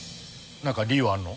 何か理由あんの？